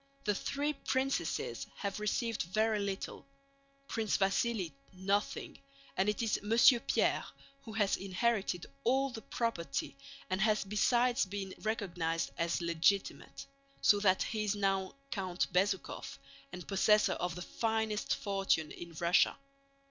The three princesses have received very little, Prince Vasíli nothing, and it is Monsieur Pierre who has inherited all the property and has besides been recognized as legitimate; so that he is now Count Bezúkhov and possessor of the finest fortune in Russia.